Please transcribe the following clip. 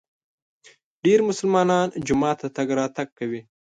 ډېر مسلمانان جومات ته تګ راتګ کوي.